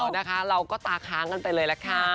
นะคะเราก็ตาค้างกันไปเลยล่ะค่ะ